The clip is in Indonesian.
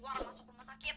warang masuk rumah sakit